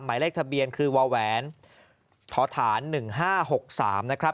หมายเลขทะเบียนคือวาแหวนทฐาน๑๕๖๓นะครับ